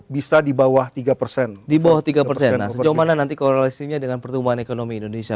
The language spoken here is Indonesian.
bisa di bawah tiga persen di bawah tiga persen sejauh mana nanti korelasinya dengan pertumbuhan ekonomi indonesia